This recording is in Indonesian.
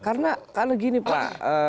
karena gini pak